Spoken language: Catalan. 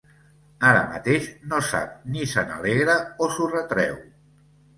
Ara mateix no sap ni se n'alegra o s'ho retreu.